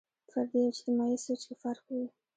فردي او اجتماعي سوچ کې فرق وي.